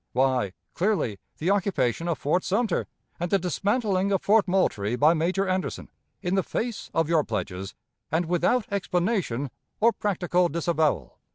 Why, clearly the occupation of Fort Sumter, and the dismantling of Fort Moultrie by Major Anderson, in the face of your pledges, and without explanation or practical disavowal.